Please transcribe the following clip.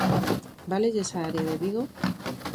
¿Válelles a área de Vigo?